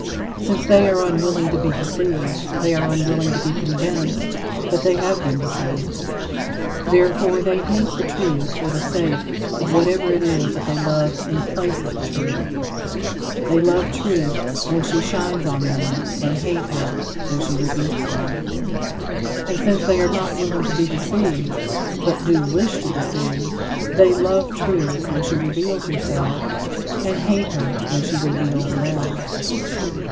Since they are unwilling to be deceived, they are unwilling to be convinced that they have been deceived. Therefore, they hate the truth for the sake of whatever it is that they love in place of the truth. They love truth when she shines on them; and hate her when she rebukes them. And since they are not willing to be deceived, but do wish to deceive, they love truth when she reveals herself and hate her when she reveals them.